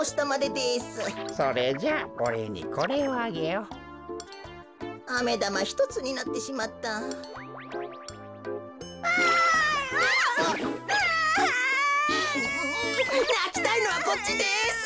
うなきたいのはこっちです。